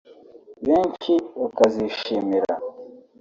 benshi bakazishimira